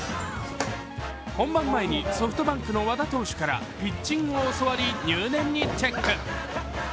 本番前にソフトバンクの和田投手からピッチングを教わり入念にチェック。